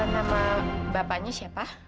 nama bapaknya siapa